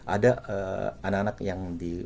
ada anak anak yang di